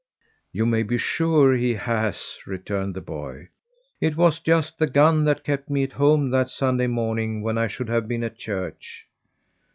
"You may be sure he has," returned the boy. "It was just the gun that kept me at home that Sunday morning when I should have been at church."